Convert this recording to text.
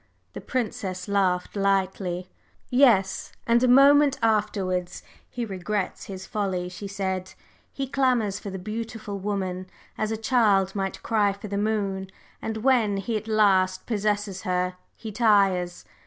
The Princess laughed lightly. "Yes, and a moment afterwards he regrets his folly," she said. "He clamors for the beautiful woman as a child might cry for the moon, and when he at last possesses her, he tires.